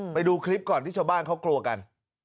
ไปดูคลิปก่อนที่ชาวบ้านเขากลัวกัน